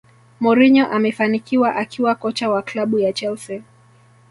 Mourinho amefanikiwa akiwa kocha wa klabu ya chelsea